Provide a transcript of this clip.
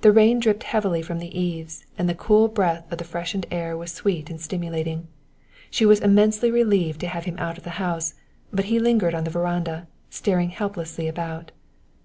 The rain dripped heavily from the eaves, and the cool breath of the freshened air was sweet and stimulating. She was immensely relieved to have him out of the house, but he lingered on the veranda, staring helplessly about.